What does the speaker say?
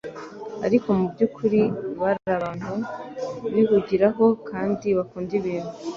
ariko mu by'ukuri bari abantu bihugiraho kandi bakunda ibintu.